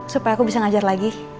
supaya aku bisa ngajar lagi